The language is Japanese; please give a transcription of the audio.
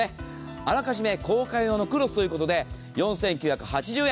あらかじめ交換用のクロスということで４９８０円